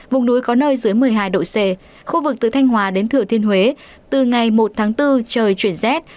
vùng núi có nơi dưới một mươi hai độ c khu vực từ thanh hòa đến thừa thiên huế từ ngày một tháng bốn trời chuyển rét